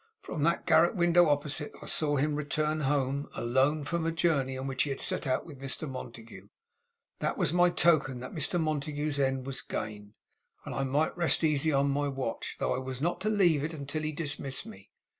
From that garret window opposite I saw him return home, alone, from a journey on which he had set out with Mr Montague. That was my token that Mr Montague's end was gained; and I might rest easy on my watch, though I was not to leave it until he dismissed me.